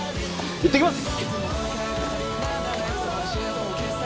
行ってきます！